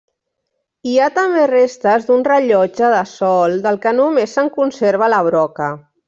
Hi ha també restes d'un rellotge de sol, del que només se'n conserva la broca.